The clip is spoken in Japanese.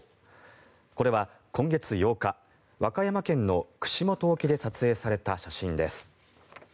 これは今月８日和歌山県の串本沖で撮影された写真です。